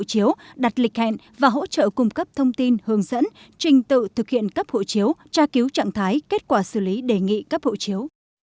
hộ chiếu đặt lịch hẹn và hỗ trợ cung cấp thông tin hướng dẫn trình tự thực hiện cấp hộ chiếu tra cứu trạng thái kết quả xử lý đề nghị cấp hộ chiếu